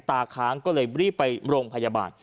ตาค้างก็เลยรีบไปโรงพยาบาล